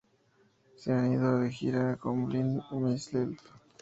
Se han ido de gira con Blind Myself.